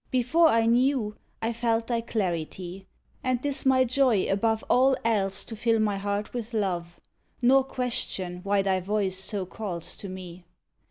Before I knew, I felt thy clarity; And 'tis my joy above All else to fill my heart with love Nor question why thy voice so calls to me.